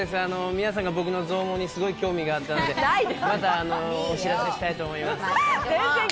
皆さんが僕の増毛にすごい興味があったので、またお知らせしたいと思います。